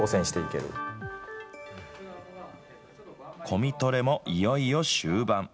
コミトレもいよいよ終盤。